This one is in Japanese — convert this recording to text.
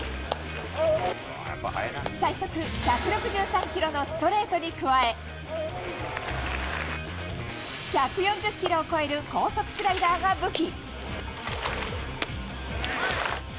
最速１６３キロのストレートに加え１４０キロを超える高速スライダーが武器。